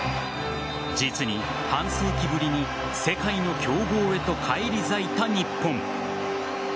実に半世紀ぶりに世界の強豪へと返り咲いた日本。